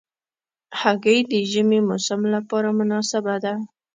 هګۍ د ژمي موسم لپاره مناسبه ده.